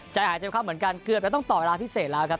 ใจหางภาคที่เข้าเหมือนกันเกือบแต่ต้องตอบระพิเศษะแล้วครับ